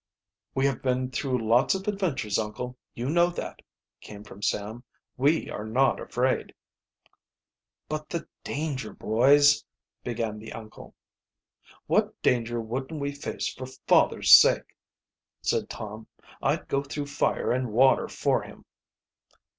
"We have been through lots of adventures, uncle, you know that," came from Sam. "We are not afraid." "But the danger, boys " began the uncle. "What danger wouldn't we face for father's sake!" said Tom. "I'd go through fire and water for him."